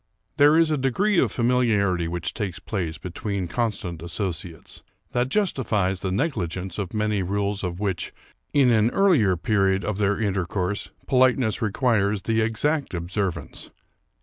There is a degree of familiarity which takes place between constant associates, that justifies the negligence of many rules of which, in an earlier period of their intercourse, po liteness requires the exact observance.